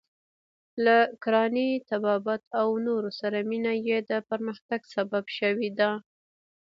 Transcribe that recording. له کرانې، طبابت او نورو سره مینه یې د پرمختګ سبب شوې ده.